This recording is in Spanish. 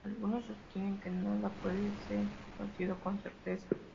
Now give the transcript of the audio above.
Algunos sostienen que nada puede ser conocido con certeza".